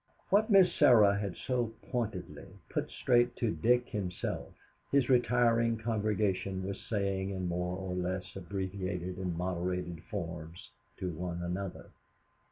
What Miss Sarah had so pointedly put straight to Dick himself, his retiring congregation was saying in more or less abbreviated and moderated form to one another.